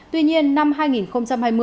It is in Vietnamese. tuy nhiên năm hai nghìn hai mươi